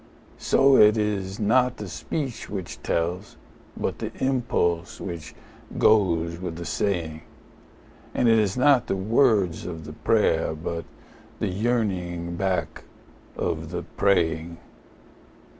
So it is not the speech which tells, but the impulse which goes with the saying; And it is not the words of the prayer, but the yearning back of the praying.